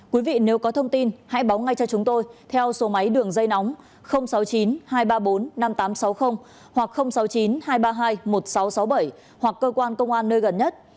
quý vị nếu có thông tin hãy báo ngay cho chúng tôi theo số máy đường dây nóng sáu mươi chín hai trăm ba mươi bốn năm nghìn tám trăm sáu mươi hoặc sáu mươi chín hai trăm ba mươi hai một nghìn sáu trăm sáu mươi bảy hoặc cơ quan công an nơi gần nhất